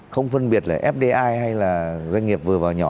không phân biệt là fdi hay là doanh nghiệp vừa và nhỏ